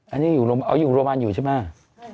อันนี้เอาอยู่โรงพยาบาลอยู่ใช่ไหม